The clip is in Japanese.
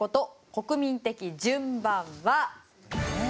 国民的順番は。